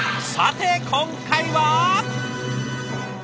さて今回は？